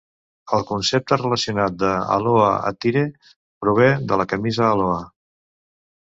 El concepte relacionat d'"Aloha Attire" prové de la camisa Aloha.